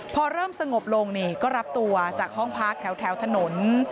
พอเริ่มสงบลงนี่ก็รับตัวจากห้องพักแถวถนน